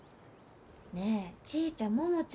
ねえちぃちゃん百ちゃん